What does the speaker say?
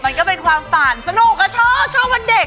มันก็เป็นความฝันสนุกก็ชอบชอบวันเด็ก